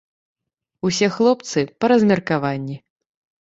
Усе хлопцы, па размеркаванні.